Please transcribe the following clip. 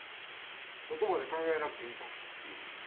そこまで考えなくていいと思う。